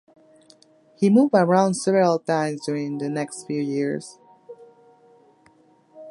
He moved around several times during the next few years.